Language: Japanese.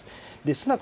スナク